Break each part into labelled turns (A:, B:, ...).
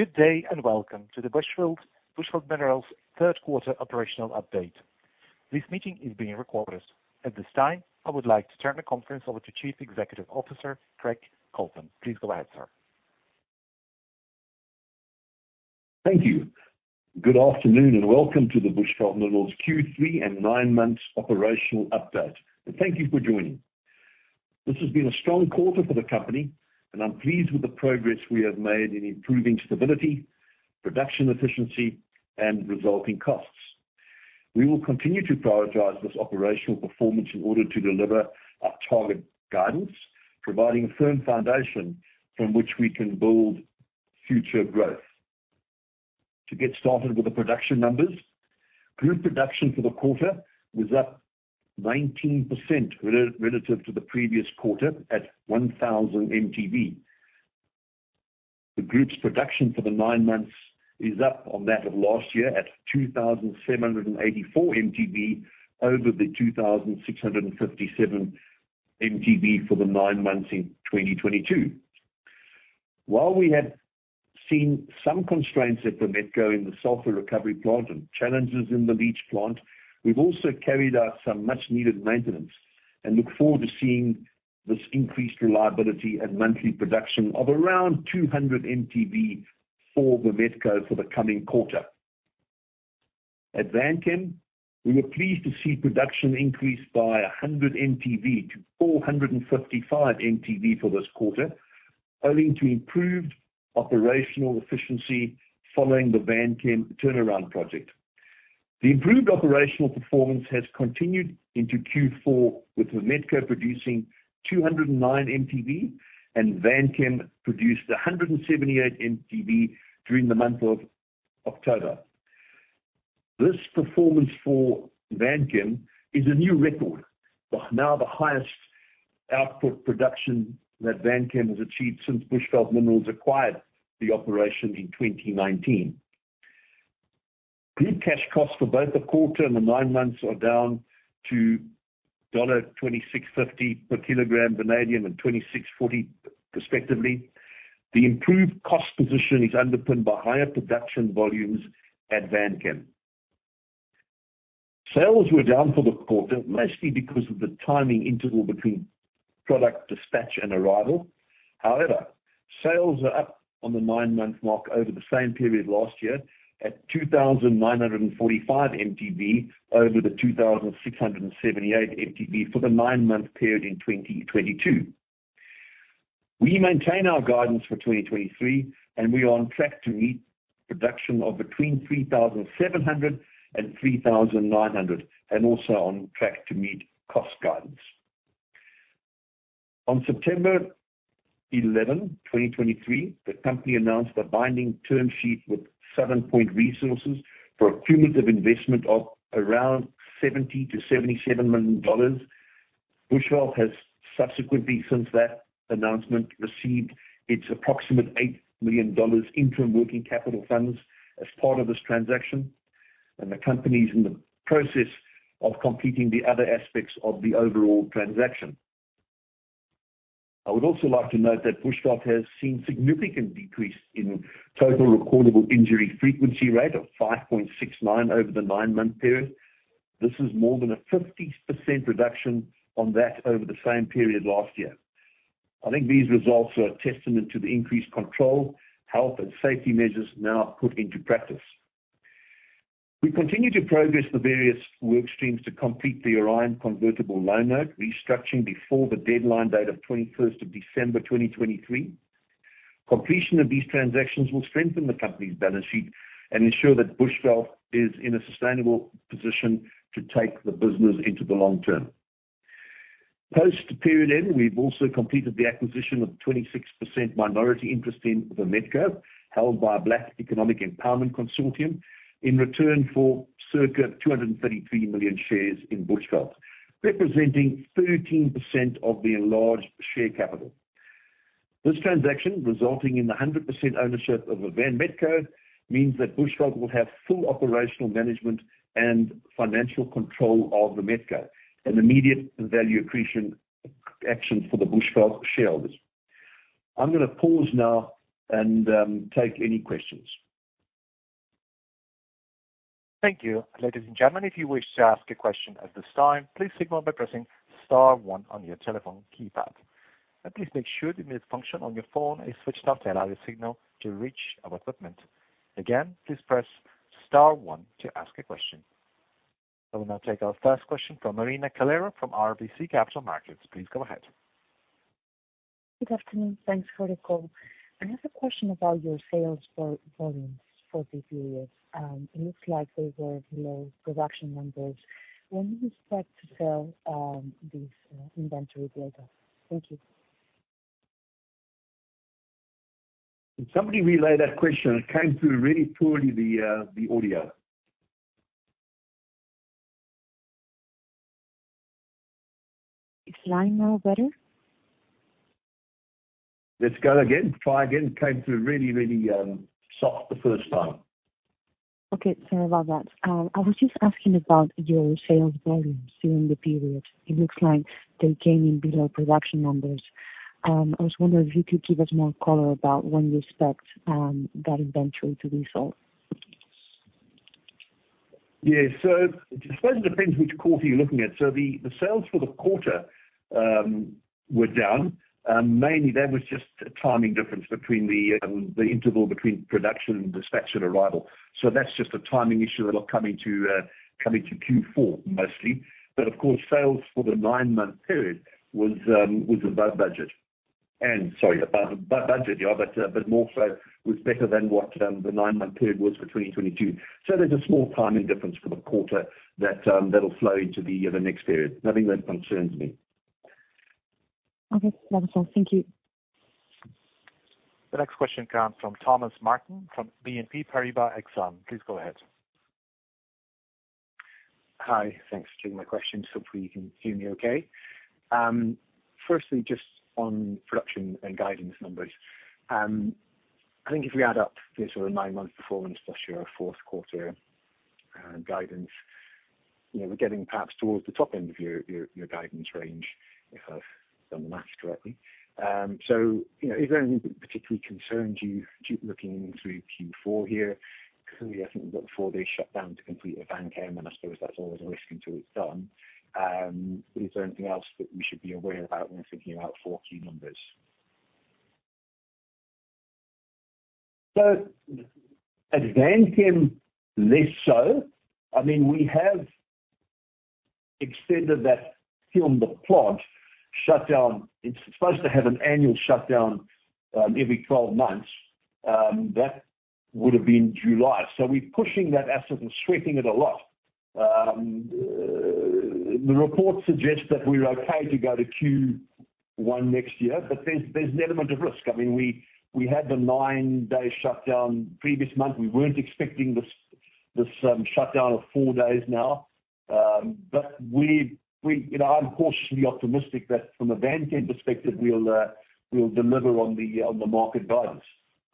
A: Good day, and welcome to the Bushveld, Bushveld Minerals third quarter operational update. This meeting is being recorded. At this time, I would like to turn the conference over to Chief Executive Officer, Craig Coltman. Please go ahead, sir.
B: Thank you. Good afternoon, and welcome to the Bushveld Minerals Q3 and nine months operational update, and thank you for joining. This has been a strong quarter for the company, and I'm pleased with the progress we have made in improving stability, production efficiency, and resulting costs. We will continue to prioritize this operational performance in order to deliver our target guidance, providing a firm foundation from which we can build future growth. To get started with the production numbers, group production for the quarter was up 19% relative to the previous quarter at 1,000 mtV. The group's production for the nine months is up on that of last year at 2,784 mtV over the 2,657 mtV for the nine months in 2022. While we have seen some constraints at the Vametco in the salt recovery plant and challenges in the leach plant, we've also carried out some much-needed maintenance and look forward to seeing this increased reliability and monthly production of around 200 mtV for the Vametco for the coming quarter. At Vanchem, we were pleased to see production increased by 100 mtV to 455 mtV for this quarter, owing to improved operational efficiency following the Vanchem turnaround project. The improved operational performance has continued into Q4, with the Vametco producing 209 mtV and Vanchem produced 178 mtV during the month of October. This performance for Vanchem is a new record, but now the highest output production that Vanchem has achieved since Bushveld Minerals acquired the operation in 2019. Group cash costs for both the quarter and the nine months are down to $26.50 per kilogram vanadium and $26.40 respectively. The improved cost position is underpinned by higher production volumes at Vanchem. Sales were down for the quarter, mostly because of the timing interval between product dispatch and arrival. However, sales are up on the nine-month mark over the same period last year at 2,945 mtV over the 2,678 mtV for the nine-month period in 2022. We maintain our guidance for 2023, and we are on track to meet production of between 3,700 and 3,900, and also on track to meet cost guidance. On September 11, 2023, the company announced a binding term sheet with Southern Point Resources for a cumulative investment of around $70 million-$77 million. Bushveld has subsequently, since that announcement, received its approximate $8 million interim working capital funds as part of this transaction, and the company is in the process of completing the other aspects of the overall transaction. I would also like to note that Bushveld has seen significant decrease in Total Recordable Injury Frequency Rate of 5.69 over the nine-month period. This is more than a 50% reduction on that over the same period last year. I think these results are a testament to the increased control, health, and safety measures now put into practice. We continue to progress the various work streams to complete the Orion convertible loan note restructuring before the deadline date of 21st of December 2023. Completion of these transactions will strengthen the company's balance sheet and ensure that Bushveld is in a sustainable position to take the business into the long term. Post period end, we've also completed the acquisition of 26% minority interest in the Vametco, held by a Black Economic Empowerment consortium, in return for circa 233 million shares in Bushveld, representing 13% of the enlarged share capital. This transaction, resulting in the 100% ownership of the Vametco, means that Bushveld will have full operational management and financial control of the Vametco, an immediate value accretion action for the Bushveld shareholders. I'm gonna pause now and take any questions.
A: Thank you. Ladies and gentlemen, if you wish to ask a question at this time, please signal by pressing star one on your telephone keypad. Please make sure the mute function on your phone is switched off to allow the signal to reach our equipment. Again, please press star one to ask a question. I will now take our first question from Marina Calero from RBC Capital Markets. Please go ahead.
C: Good afternoon. Thanks for the call. I have a question about your sales for volumes for this period. It looks like they were below production numbers. When do you expect to sell these inventory later? Thank you.
B: Can somebody relay that question? It came through really poorly, the, the audio.
C: It's line now better?
B: Let's go again. Try again. It came through really, really, soft the first time.
C: Okay, sorry about that. I was just asking about your sales volumes during the period. It looks like they came in below production numbers. I was wondering if you could give us more color about when you expect that inventory to be sold.
B: Yeah, so I suppose it depends which quarter you're looking at. So the sales for the quarter were down. Mainly that was just a timing difference between the interval between production and dispatch at arrival. So that's just a timing issue that will come into Q4 mostly. But of course, sales for the nine-month period was above budget. And sorry, above budget, yeah, but more so was better than what the nine-month period was for 2022. So there's a small timing difference for the quarter that that'll flow into the next period. Nothing that concerns me.
C: Okay, that is all. Thank you.
A: The next question comes from Thomas Martin, from BNP Paribas Exane. Please go ahead.
D: Hi. Thanks for taking my question. Hopefully you can hear me okay. Firstly, just on production and guidance numbers. I think if we add up the sort of 9-month performance plus your fourth quarter, guidance, you know, we're getting perhaps towards the top end of your, your, your guidance range, if I've done the math correctly. So, you know, is there anything that particularly concerns you, looking through Q4 here? Clearly, I think we've got the 4-day shutdown to complete at Vanchem, and I suppose that's always a risk until it's done. Is there anything else that we should be aware about when we're thinking about Q4 numbers?
B: So at Vanchem, less so. I mean, we have extended that kiln, the plant shutdown. It's supposed to have an annual shutdown every 12 months. That would have been July. So we're pushing that asset and sweating it a lot. The report suggests that we're okay to go to Q1 next year, but there's an element of risk. I mean, we had the 9-day shutdown previous month. We weren't expecting this shutdown of four days now. But we-- You know, I'm cautiously optimistic that from a Vanchem perspective, we'll deliver on the market guidance.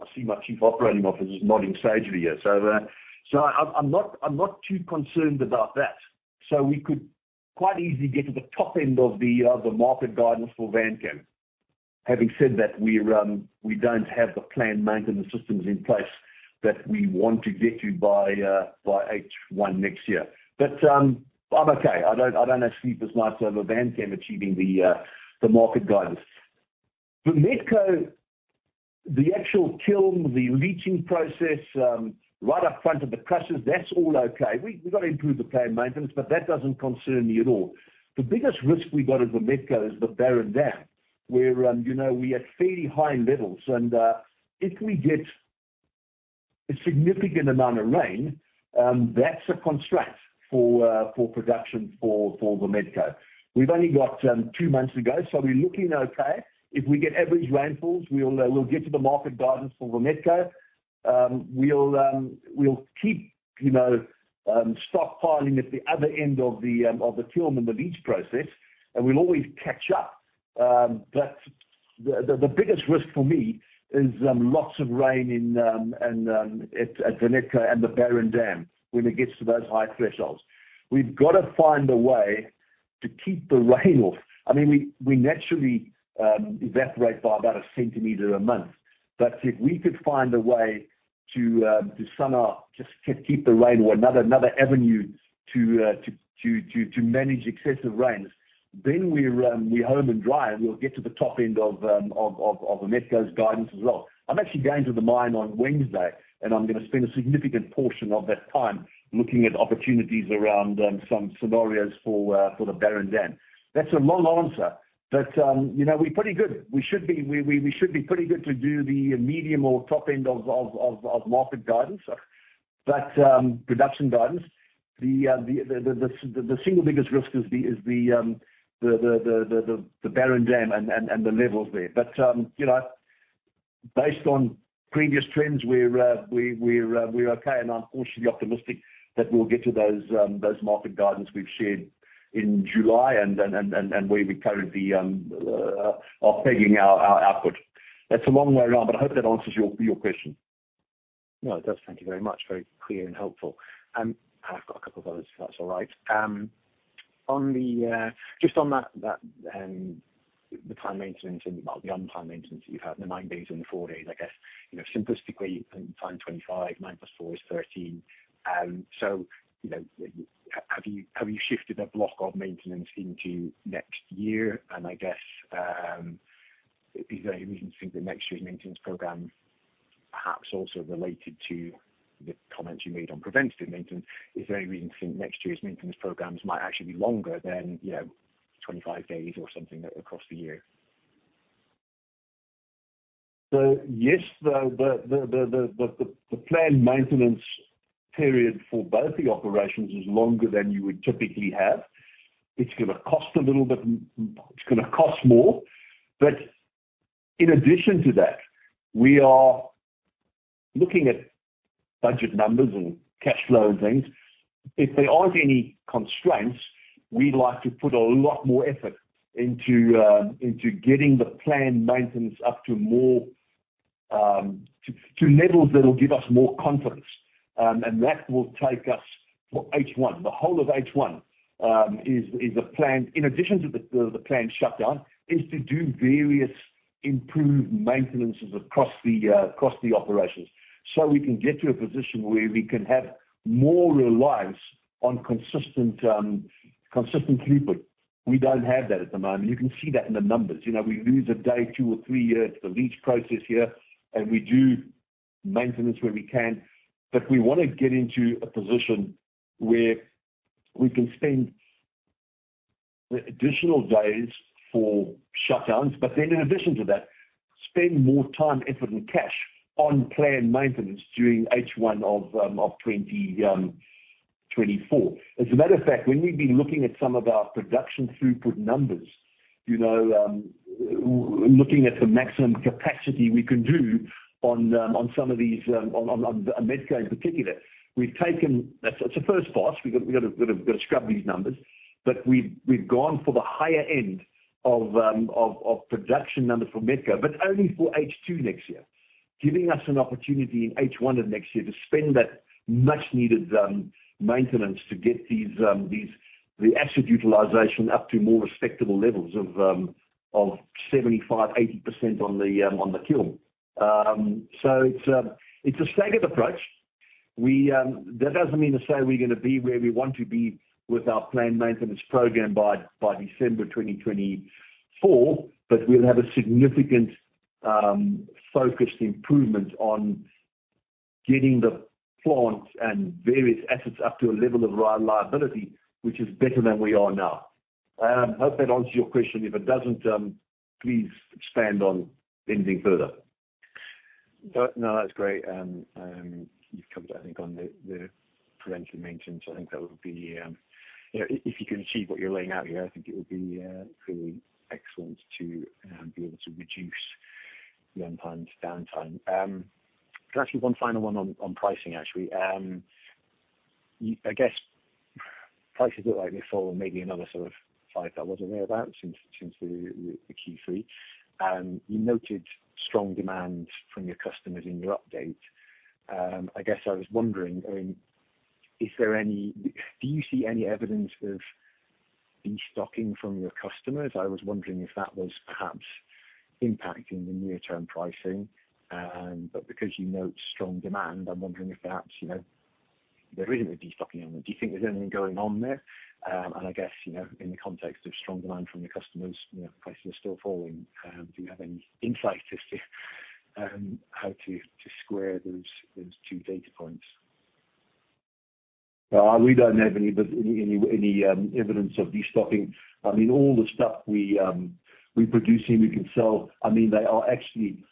B: I see my Chief Operating Officer is nodding sagely here. So I'm not too concerned about that. So we could quite easily get to the top end of the market guidance for Vanchem. Having said that, we're, we don't have the planned maintenance systems in place that we want to get to by H1 next year. But, I'm okay. I don't actually lose nights over Vanchem achieving the market guidance. For Vametco, the actual kiln, the leaching process, right up front of the crushers, that's all okay. We've got to improve the plant maintenance, but that doesn't concern me at all. The biggest risk we got at the Vametco is the Barren dam, where, you know, we are at fairly high levels, and if we get a significant amount of rain, that's a constraint for production for the Vametco. We've only got two months to go, so we're looking okay. If we get average rainfalls, we'll get to the market guidance for the Vametco. We'll keep, you know, stockpiling at the other end of the kiln and the leach process, and we'll always catch up. But the biggest risk for me is lots of rain in and at the Vametco and the barren dam, when it gets to those high thresholds. We've got to find a way to keep the rain off. I mean, we naturally evaporate by about a centimeter a month, but if we could find a way to somehow just keep the rain away, another avenue to manage excessive rains, then we're home and dry, and we'll get to the top end of Vametco's guidance as well. I'm actually going to the mine on Wednesday, and I'm gonna spend a significant portion of that time looking at opportunities around some scenarios for the Barren Dam. That's a long answer, but you know, we're pretty good. We should be pretty good to do the medium or top end of market guidance. But production guidance, the single biggest risk is the Barren Dam and the levels there. But you know, based on previous trends, we're okay, and I'm cautiously optimistic that we'll get to those market guidance we've shared in July and where we currently are pegging our output. That's a long way around, but I hope that answers your question.
D: No, it does. Thank you very much. Very clear and helpful. I've got a couple of others, if that's all right. On that, the plant maintenance and well, the unplanned maintenance that you've had, the nine days and the four days, I guess, you know, simplistically, times 25, 9 + 4 is 13. So, you know, have you shifted a block of maintenance into next year? And I guess, is there any reason to think that next year's maintenance program, perhaps also related to the comments you made on preventative maintenance, is there any reason to think next year's maintenance programs might actually be longer than, you know, 25 days or something across the year?
B: So yes, the planned maintenance period for both the operations is longer than you would typically have. It's gonna cost a little bit, it's gonna cost more, but in addition to that, we are looking at budget numbers and cash flow and things. If there aren't any constraints, we'd like to put a lot more effort into getting the planned maintenance up to more to levels that will give us more confidence. And that will take us for H1. The whole of H1 is a planned. In addition to the planned shutdown, is to do various improved maintenances across the operations, so we can get to a position where we can have more reliance on consistent throughput. We don't have that at the moment. You can see that in the numbers. You know, we lose a day, two or three a year at the leach process here, and we do maintenance where we can. But we wanna get into a position where we can spend additional days for shutdowns, but then in addition to that, spend more time, effort, and cash on planned maintenance during H1 of 2024. As a matter of fact, when we've been looking at some of our production throughput numbers, you know, looking at the maximum capacity we can do on some of these, on Vametco in particular, we've taken—That's, it's a first pass. We've got, we've gotta scrub these numbers. But we've gone for the higher end of production numbers for Vametco, but only for H2 next year. Giving us an opportunity in H1 of next year to spend that much needed maintenance to get these, the asset utilization up to more respectable levels of seventy-five, eighty percent on the kiln. So it's a stated approach. We, that doesn't mean to say we're gonna be where we want to be with our planned maintenance program by December 2024, but we'll have a significant focused improvement on getting the plants and various assets up to a level of reliability, which is better than we are now. I hope that answers your question. If it doesn't, please expand on anything further.
D: No, no, that's great. You've covered, I think, on the preventive maintenance. I think that would be, you know, if you can achieve what you're laying out here, I think it would be really excellent to be able to reduce the unplanned downtime. Can I ask you one final one on pricing, actually? You, I guess prices look like they fall maybe another sort of $5 or thereabout since the Q3. You noted strong demand from your customers in your update. I guess I was wondering, I mean, is there any... Do you see any evidence of destocking from your customers? I was wondering if that was perhaps impacting the near-term pricing. But because you note strong demand, I'm wondering if perhaps, you know, there isn't a destocking element. Do you think there's anything going on there? And I guess, you know, in the context of strong demand from your customers, you know, prices are still falling. Do you have any insight as to how to square those two data points?
B: We don't have any evidence of destocking. I mean, all the stuff we produce here, we can sell. I mean, they are actually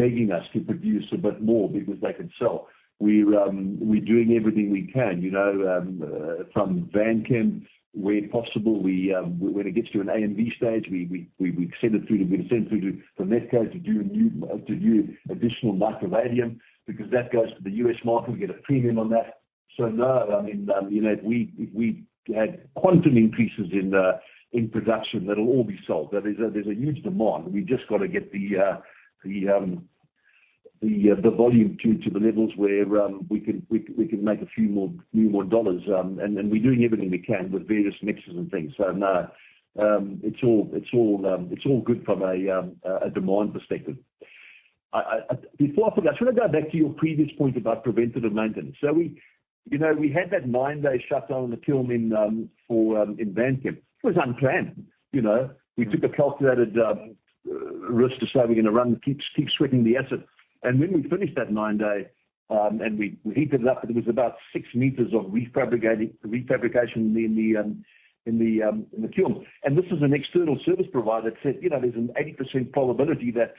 B: begging us to produce a bit more because they can sell. We're doing everything we can, you know, from Vanchem, where possible, when it gets to an AMV stage, we send it through to Vametco to do additional nitro-vanadium, because that goes to the US market. We get a premium on that. So no, I mean, you know, we had quantum increases in production that will all be sold. There is a huge demand. We've just got to get the volume to the levels where we can make a few more dollars. And we're doing everything we can with various mixes and things. So no, it's all good from a demand perspective. Before I forget, I just wanna go back to your previous point about preventative maintenance. So we, you know, we had that nine-day shutdown on the kiln in Vanchem. It was unplanned, you know? We took a calculated risk to say we're gonna run, keep sweating the asset. And when we finished that nine-day and we heated it up, it was about six meters of refabrication in the kiln. This is an external service provider that said, "You know, there's an 80% probability that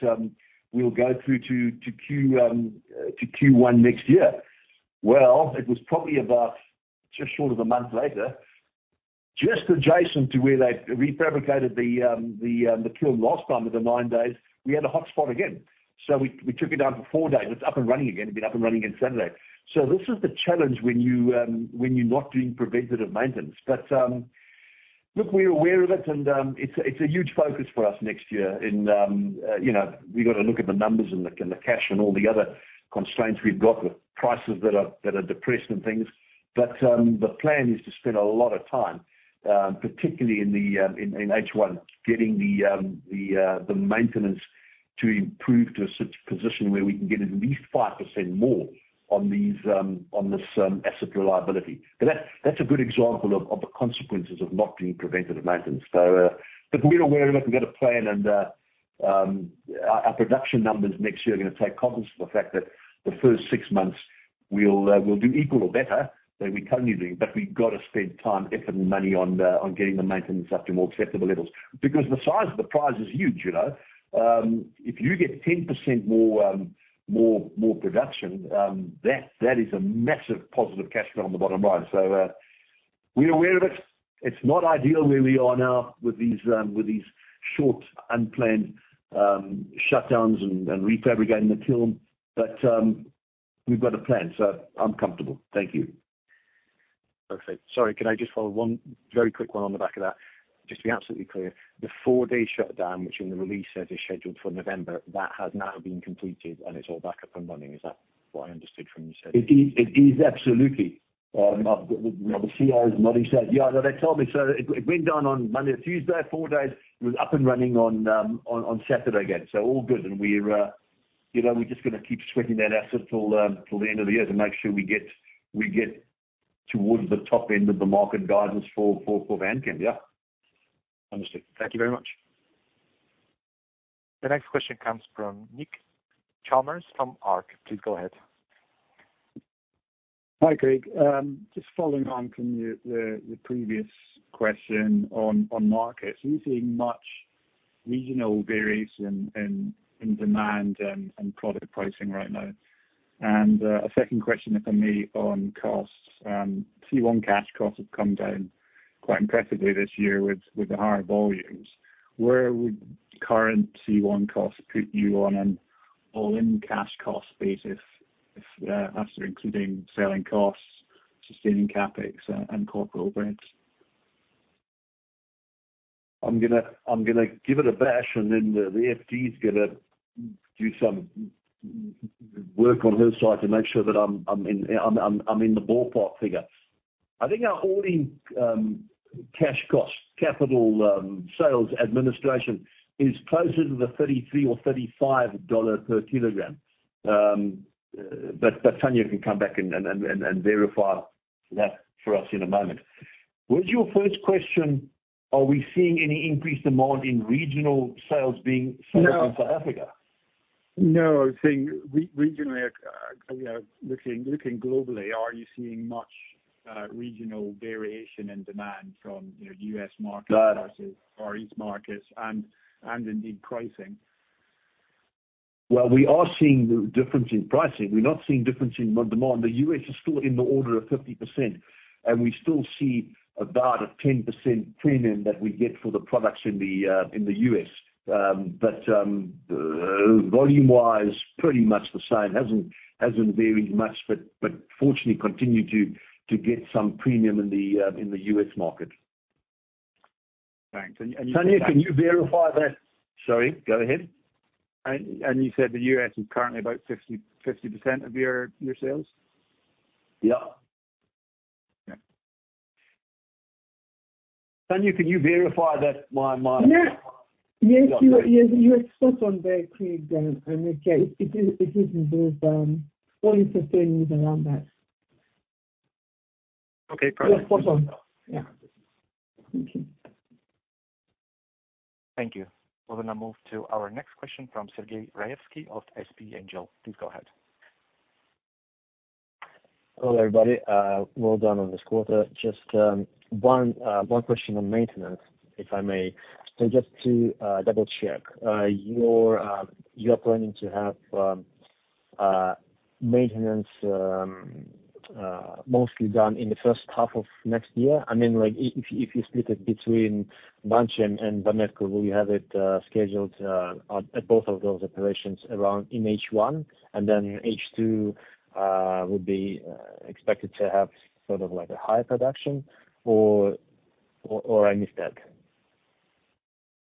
B: we'll go through to Q1 next year." Well, it was probably about just short of a month later, just adjacent to where they refabricated the kiln last time with the nine days, we had a hotspot again. So we took it down for four days. It's up and running again. It's been up and running again Saturday. So this is the challenge when you're not doing preventative maintenance. But look, we're aware of it and it's a huge focus for us next year. And you know, we've got to look at the numbers and the cash and all the other constraints we've got with prices that are depressed and things. But the plan is to spend a lot of time, particularly in H1, getting the maintenance to improve to such a position where we can get at least 5% more on this asset reliability. But that's a good example of the consequences of not doing preventative maintenance. So look, we're aware of it. We've got a plan, and our production numbers next year are gonna take cognizance of the fact that the first six months we'll do equal or better than we're currently doing. But we've got to spend time, effort, and money on getting the maintenance up to more acceptable levels. Because the size of the prize is huge, you know. If you get 10% more production, that is a massive positive cash flow on the bottom line. So, we're aware of it. It's not ideal where we are now with these short, unplanned shutdowns and refurb again, the kiln. But, we've got a plan, so I'm comfortable. Thank you.
D: Perfect. Sorry, can I just follow one very quick one on the back of that? Just to be absolutely clear, the four-day shutdown, which in the release set is scheduled for November, that has now been completed, and it's all back up and running. Is that what I understood from you said?
B: It is absolutely. I've got the CO's already said, "Yeah, no, they told me so." It went down on Monday, Tuesday, four days. It was up and running on Saturday again. So all good, and we're, you know, we're just gonna keep sweating that asset till the end of the year to make sure we get towards the top end of the market guidance for Vanadium. Yeah.
D: Understood. Thank you very much.
A: The next question comes from Nick Chalmers from ARC. Please go ahead.
E: Hi, Craig. Just following on from the previous question on markets. Are you seeing much regional variation in demand and product pricing right now? And, a second question, if I may, on costs. C1 cash costs have come down quite impressively this year with the higher volumes. Where would current C1 costs put you on an all-in cash cost basis if, after including selling costs, sustaining CapEx and corporate overheads?
B: I'm gonna give it a bash, and then the FD's gonna do some work on her side to make sure that I'm in the ballpark figure. I think our all-in cash costs, capital, sales administration, is closer to $33 or $35 per kilogram. But Tanya can come back and verify that for us in a moment. Was your first question, are we seeing any increased demand in regional sales being sold-
E: No.
B: in South Africa?
E: No. I was saying regionally, you know, looking globally, are you seeing much regional variation in demand from, you know, U.S. market-
B: Got it.
E: versus Far East markets and indeed pricing?
B: Well, we are seeing the difference in pricing. We're not seeing difference in demand. The U.S. is still in the order of 50%, and we still see about a 10% premium that we get for the products in the U.S. But volume-wise, pretty much the same. Hasn't varied much, but fortunately continue to get some premium in the U.S. market.
E: Thanks, and you-
B: Tanya, can you verify that? Sorry, go ahead.
E: you said the U.S. is currently about 50% of your sales?
B: Yeah.
E: Yeah.
B: Tanya, can you verify that my, my-
F: Yes. Yes, you are spot on there, Craig, and yeah, it is all the sustain is around that.
B: Okay, perfect.
F: You're spot on. Yeah. Thank you.
A: Thank you. Well, then I move to our next question from Sergey Raevskiy of SP Angel. Please go ahead.
G: Hello, everybody. Well done on this quarter. Just one question on maintenance, if I may. So just to double check, you're planning to have maintenance mostly done in the first half of next year? I mean, like, if you split it between Vametco and Vanchem, will you have it scheduled on at both of those operations around in H1, and then H2 would be expected to have sort of like a higher production or I missed that?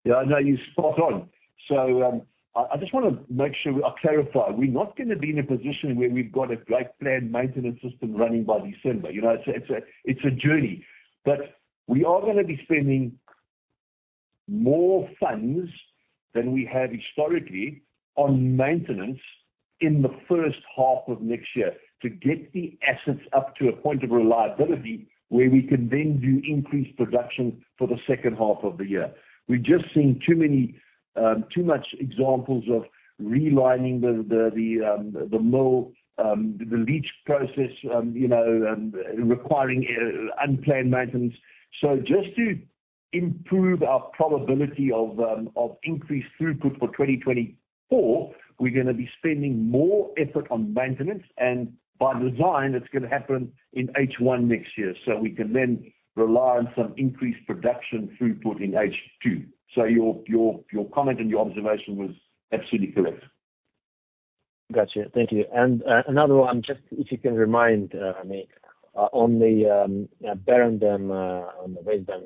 B: Yeah, no, you're spot on. So, I just wanna make sure I clarify. We're not gonna be in a position where we've got a great planned maintenance system running by December. You know, it's a journey, but we are gonna be spending more funds than we have historically on maintenance in the first half of next year, to get the assets up to a point of reliability, where we can then do increased production for the second half of the year. We've just seen too many, too much examples of relining the mill, the leach process, you know, requiring unplanned maintenance. So just to improve our probability of increased throughput for 2024, we're gonna be spending more effort on maintenance, and by design, it's gonna happen in H1 next year. So we can then rely on some increased production throughput in H2. So your comment and your observation was absolutely correct.
G: Gotcha. Thank you. And, another one, just if you can remind me on the barren dam, on the waste dam,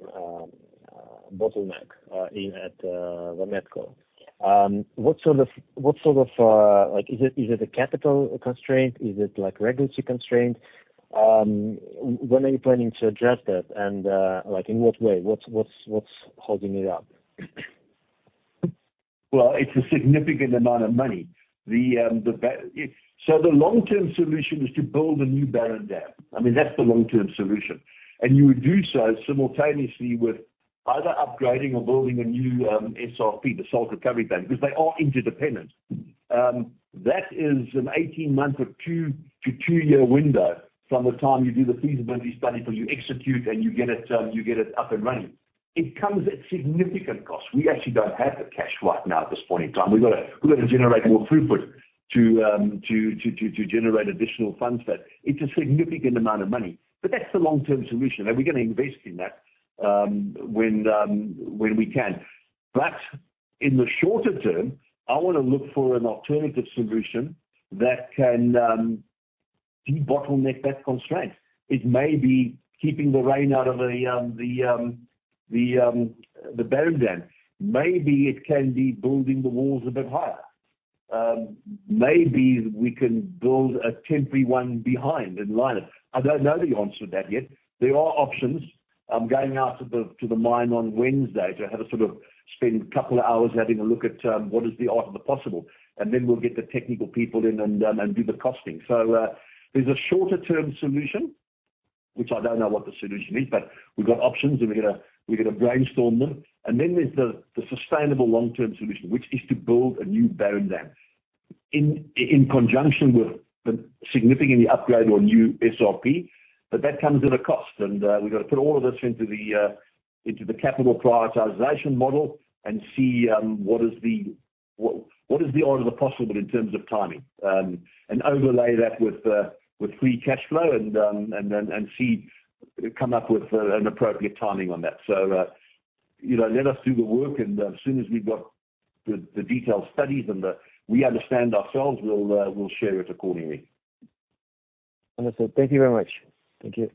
G: bottleneck at Vametco. What sort of, what sort of, like, is it, is it a capital constraint? Is it like regulatory constraint? When are you planning to address that, and, like, in what way? What's, what's, what's holding it up?
B: Well, it's a significant amount of money. So the long-term solution is to build a new barren dam. I mean, that's the long-term solution. And you would do so simultaneously with either upgrading or building a new SRP, the Salt Recovery Plant, because they are interdependent. That is an 18-month or 2- to 2-year window from the time you do the feasibility study, till you execute, and you get it up and running. It comes at significant cost. We actually don't have the cash right now at this point in time. We've gotta generate more throughput to generate additional funds for that. It's a significant amount of money, but that's the long-term solution, and we're gonna invest in that when we can. But in the shorter term, I wanna look for an alternative solution that can debottleneck that constraint. It may be keeping the rain out of the barren dam. Maybe it can be building the walls a bit higher. Maybe we can build a temporary one behind, in line. I don't know the answer to that yet. There are options. I'm going out to the mine on Wednesday to have a sort of spend a couple of hours having a look at what is the art of the possible, and then we'll get the technical people in and do the costing. So, there's a shorter term solution, which I don't know what the solution is, but we've got options, and we're gonna brainstorm them. And then there's the sustainable long-term solution, which is to build a new Barren dam. In conjunction with the significantly upgrade or new SRP, but that comes at a cost, and we've got to put all of this into the capital prioritization model and see what is the... What is the art of the possible in terms of timing? And overlay that with free cash flow and then see come up with an appropriate timing on that. So, you know, let us do the work, and as soon as we've got the detailed studies and we understand ourselves, we'll share it accordingly.
G: Understood. Thank you very much. Thank you.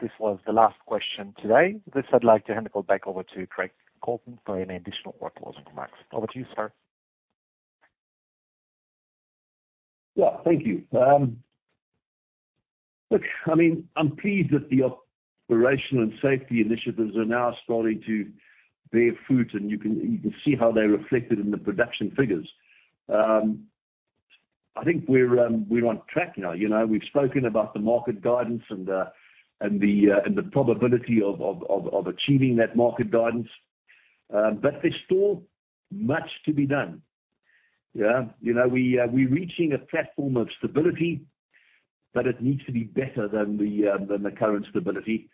A: This was the last question today. With this, I'd like to hand it back over to Craig Coltman for any additional workloads and remarks. Over to you, sir.
B: Yeah, thank you. Look, I mean, I'm pleased that the operational and safety initiatives are now starting to bear fruit, and you can see how they're reflected in the production figures. I think we're on track now. You know, we've spoken about the market guidance and the probability of achieving that market guidance. But there's still much to be done. Yeah. You know, we're reaching a platform of stability, but it needs to be better than the current stability.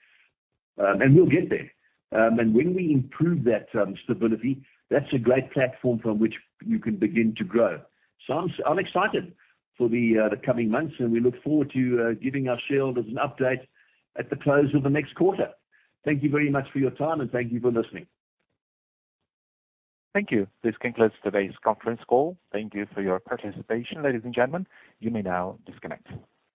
B: And we'll get there. And when we improve that stability, that's a great platform from which you can begin to grow. So I'm excited for the coming months, and we look forward to giving our shareholders an update at the close of the next quarter. Thank you very much for your time, and thank you for listening.
A: Thank you. This concludes today's conference call. Thank you for your participation, ladies and gentlemen. You may now disconnect.